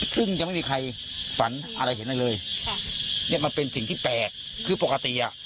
ซึ่งยังไม่มีใครฝันอะไรเห็นอะไรเลยค่ะเนี้ยมันเป็นสิ่งที่แปลกคือปกติอ่ะ